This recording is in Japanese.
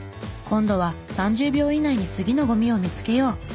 今度は３０秒以内に次のゴミを見つけよう。